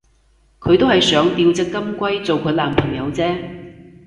佢都係想吊隻金龜做佢男朋友啫